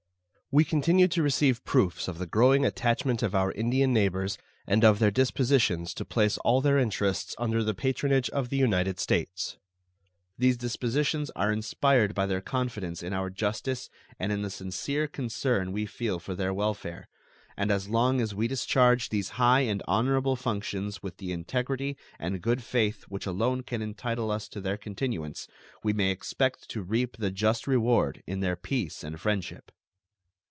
We continue to receive proofs of the growing attachment of our Indian neighbors and of their dispositions to place all their interests under the patronage of the United States. These dispositions are inspired by their confidence in our justice and in the sincere concern we feel for their welfare; and as long as we discharge these high and honorable functions with the integrity and good faith which alone can entitle us to their continuance we may expect to reap the just reward in their peace and friendship.